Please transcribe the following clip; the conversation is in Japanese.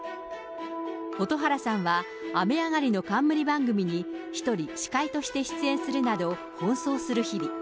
蛍原さんは、雨上がりの冠番組に１人、司会として出演するなど奔走する日々。